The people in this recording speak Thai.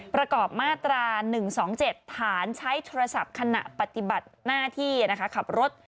ประกอบมาตรา๑๒๗ฐานใช้โทรศัพท์ขณะปฏิบัติหน้าที่ขับรถ